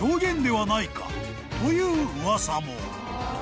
［という噂も］